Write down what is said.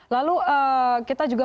lalu kita juga